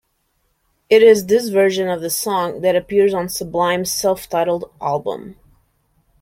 It is this version of the song that appears on Sublime's self-titled album.